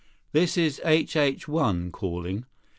"This is H H One, calling.